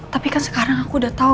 tapi kan sekarang aku udah tahu